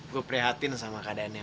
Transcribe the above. gue prihatin sama keadaannya